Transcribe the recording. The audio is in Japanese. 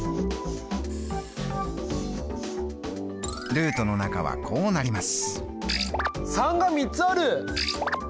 ルートの中はこうなります。